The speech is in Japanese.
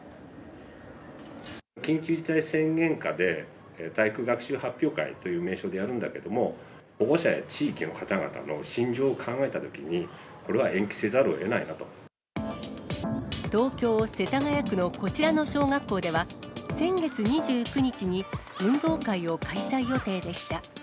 緊急事態宣言下で、体育学習発表会という名称でやるんだけれども、保護者や地域の方々の心情を考えたときに、東京・世田谷区のこちらの小学校では、先月２９日に運動会を開催予定でした。